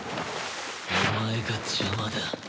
お前が邪魔だ